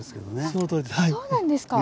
そうなんですか。